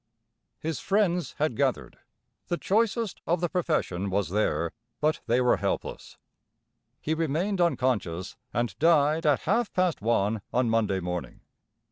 His friends had gathered. The choicest of the profession was there, but they were helpless. He remained unconscious, and died at half past one on Monday morning.